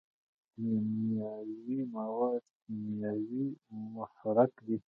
کیمیاوي مواد کیمیاوي محرک دی.